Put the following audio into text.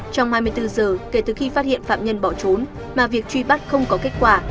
trong hai mươi bốn giờ kể từ khi phát hiện phạm nhân bỏ trốn mà việc truy bắt không có kết quả